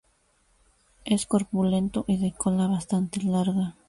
Es corpulento y de cola bastante larga.